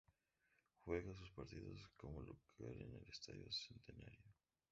Juega sus partidos como local en el estadio Centenario.